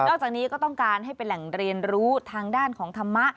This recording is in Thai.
จากนี้ก็ต้องการให้เป็นแหล่งเรียนรู้ทางด้านของธรรมะ